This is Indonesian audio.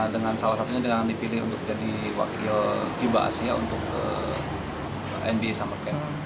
dengan salah satunya dengan dipilih untuk jadi wakil fiba asia untuk nba summer camp